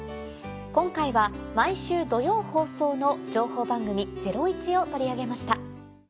今回は毎週土曜放送の情報番組『ゼロイチ』を取り上げました。